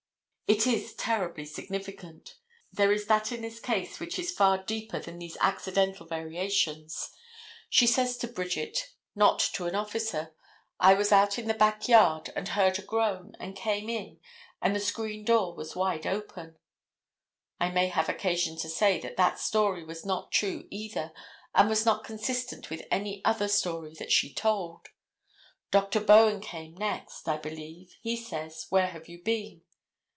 It is terribly significant. There is that in this case which is far deeper than these accidental variations. She says to Bridget, not to an officer, "I was out in the back yard and heard a groan, and came in and the screen door was wide open," I may have occasion to say that that story was not true either, and was not consistent with any other story that she told. Dr. Bowen came next, I believe. He says, "Where have you been?"